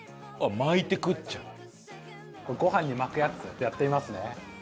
ご飯に巻くやつやってみますね。